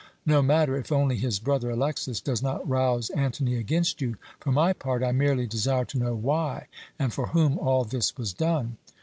No matter, if only his brother Alexas does not rouse Antony against you. For my part, I merely desire to know why and for whom all this was done."